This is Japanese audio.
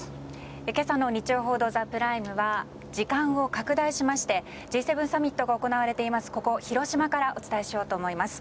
けさの日曜報道ＴＨＥＰＲＩＭＥは時間を拡大しましてＧ７サミットが行われている広島からお伝えします。